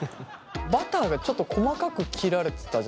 バターがちょっと細かく切られてたじゃないですか。